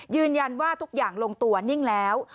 ยืนยันว่าทุกอย่างลงตัวนิ่งแล้ว